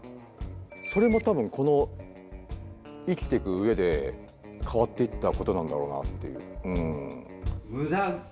それも多分この生きてく上で変わっていったことなんだろうなっていう。